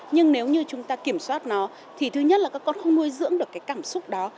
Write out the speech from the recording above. nhưng nếu như chúng ta kiểm soát nó thì thứ nhất là các con không nuôi dưỡng được cái cảm xúc đó